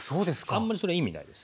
あんまりそれ意味ないですね。